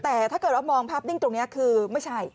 แต่ถ้าเกิดว่ามองภาพนิ่งตรงนี้คือไม่ใช่